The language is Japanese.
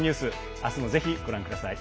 明日も、ぜひご覧ください。